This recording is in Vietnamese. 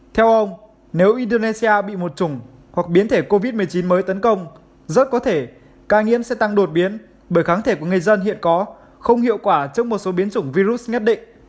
theo ông nếu indonesia bị một chủng hoặc biến thể covid một mươi chín mới tấn công rất có thể ca nhiễm sẽ tăng đột biến bởi kháng thể của người dân hiện có không hiệu quả trước một số biến chủng virus nhất định